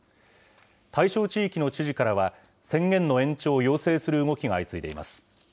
対象地域の知事からは、宣言の延長を要請する動きが相次いでいます。